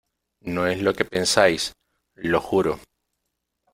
No es lo que pensáis, lo juro.